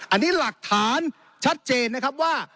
อันนี้หลักฐานชัดเจนนะครับว่า